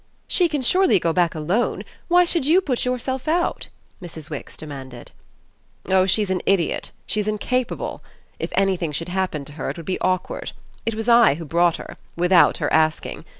"She can surely go back alone: why should you put yourself out?" Mrs. Wix demanded. "Oh she's an idiot she's incapable. If anything should happen to her it would be awkward: it was I who brought her without her asking.